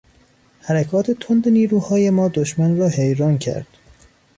حرکات تند نیروهای ما دشمن را حیران کرد.